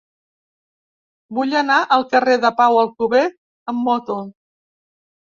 Vull anar al carrer de Pau Alcover amb moto.